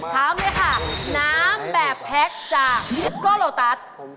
ทางดีค่ะค่ะน้ำแบบแพ็กจากก็โรตัส